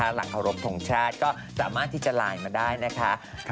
หลังเคารพทงชาติก็สามารถที่จะไลน์มาได้นะคะ